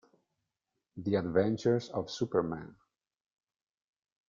The Adventures of Superman